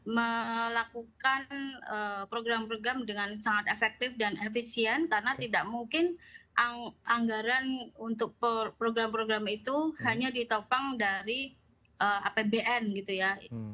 melakukan program program dengan sangat efektif dan efisien karena tidak mungkin anggaran untuk program program itu hanya ditopang dari apbn gitu ya